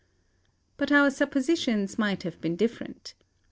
"But our suppositions might have been different.